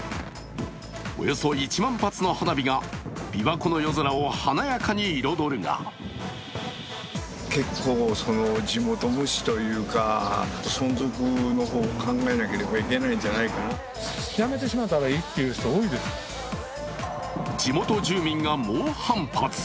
およそ１万発の花火が琵琶湖の夜空を華やかに彩るが地元住民が猛反発。